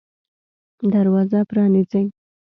دروازه پرانیزئ